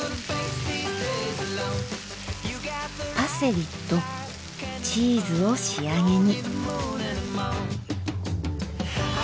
パセリとチーズを仕上げに。